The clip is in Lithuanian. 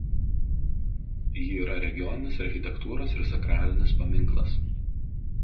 Ji yra regioninis architektūros ir sakralinis paminklas.